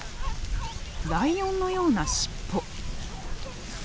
ライオンのような尻尾。